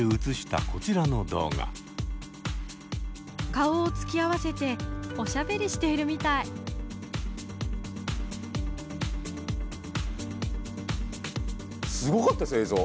顔を突き合わせておしゃべりしているみたいすごかったですよ映像。